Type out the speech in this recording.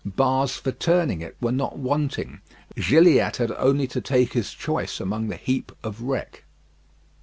Bars for turning it were not wanting. Gilliatt had only to take his choice among the heap of wreck.